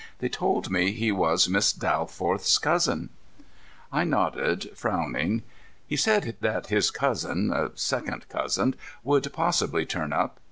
They told me he was Miss Dalforth's cousin." I nodded, frowning. "He said that his cousin second cousin would possibly turn up.